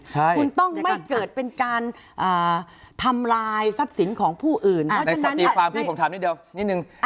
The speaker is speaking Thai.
คุณต้องไม่เกิดเป็นการธำรายทรัพย์สินของผู้อื่น